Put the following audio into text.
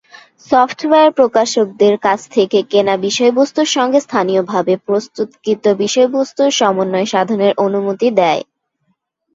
Software প্রকাশকদের কাছ থেকে কেনা বিষয়বস্তুর সঙ্গে স্থানীয়ভাবে প্রস্তুতকৃত বিষয়বস্তুর সমন্বয় সাধনের অনুমতি দেয়।